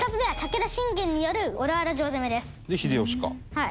はい。